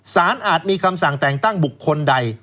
อาจมีคำสั่งแต่งตั้งบุคคลใด